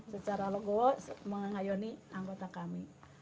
secara legowo mengayoni anggota kami